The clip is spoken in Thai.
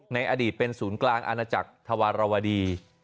ในอดีตเป็นศูนย์กลางอาณาจักรธวารวดี